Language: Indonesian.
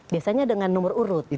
biasanya dengan nomor urut